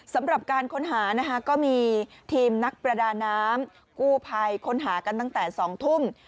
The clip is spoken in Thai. สำหรับการค้นหานะคะก็มีทีมนักประดาน้ำกู้ภัยค้นหากันตั้งแต่๒ทุ่ม